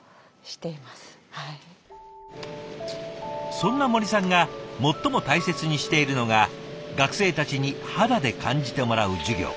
そんな森さんが最も大切にしているのが学生たちに肌で感じてもらう授業。